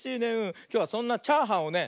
きょうはそんなチャーハンをね